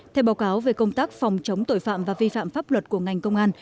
theo báo cáo về công tác phòng chống tội phạm và vi phạm pháp luật của ngành công an